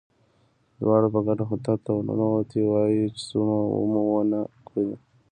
دواړه په ګډه هوټل ته ورننوتي وای، چې څوک مو ونه ګوري.